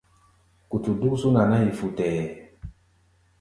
Kutu dúk zú naná-yi futɛɛ.